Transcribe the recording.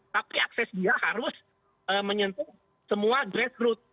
tapi akses dia harus menyentuh semua grassroot